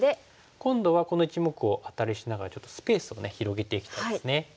今度はこの１目をアタリしながらちょっとスペースを広げていきたいですね。